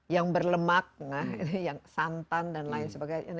yang berlemak nah ini yang santan dan lain sebagainya